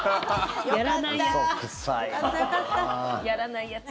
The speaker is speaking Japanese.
やらないやつ。